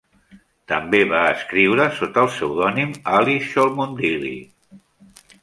També va escriure sota el pseudònim Alice Cholmondeley.